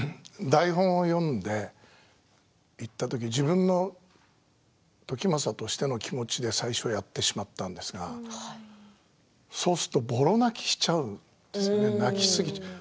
台本を読んでいったとき自分の時政としての気持ちで最初やってしまったんですがそうするとぼろ泣きしちゃうんですね泣きすぎて。